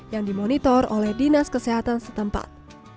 yang dimonitor oleh dinas kesehatan setempat